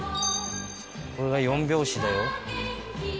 これが４拍子だよ。